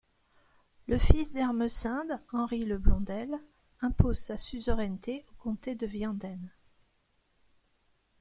Le fils d'Ermesinde, Henri le Blondel, impose sa suzeraineté au comté de Vianden.